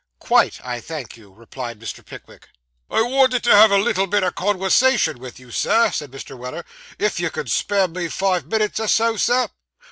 'Quite, I thank you,' replied Mr. Pickwick. 'I wanted to have a little bit o' conwersation with you, sir,' said Mr. Weller, 'if you could spare me five minits or so, sir.